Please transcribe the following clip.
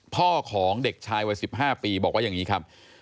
พ่อของเด็กชายวัย๑๕ปีบอกว่าอย่างนี้ครับ